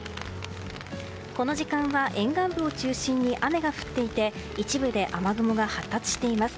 この時間は沿岸部を中心に雨が降っていて一部で雨雲が発達しています。